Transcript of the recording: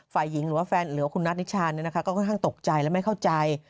ฝ่ายหญิงหรือว่าแฟนหรือว่าคุณนัทนิชาก็ค่อนข้างตกใจและไม่เข้าใจ